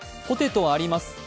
「ポテトあります」